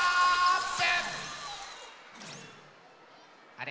あれ？